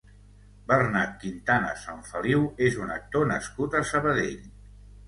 Bernat Quintana Sanfeliu és un actor nascut a Sabadell.